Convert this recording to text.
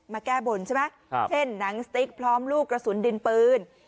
แก้บนใช่ไหมเช่นหนังสติ๊กพร้อมลูกกระสุนดินปืน